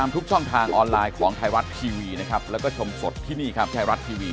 ผมก็ตรวจเลย